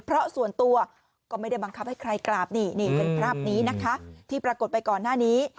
เพราะส่วนตัวก็ไม่ได้บังคับให้ใครกราบนี่นี่เป็นภาพนี้นะคะที่ปรากฏไปก่อนหน้านี้